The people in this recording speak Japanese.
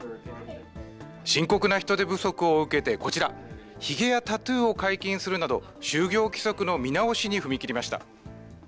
深刻な人手不足を受けて、こちら、ひげやタトゥーを解禁するなど、就業規則の見直しに踏み切りました。